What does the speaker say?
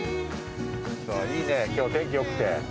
いいね、今日は天気よくて。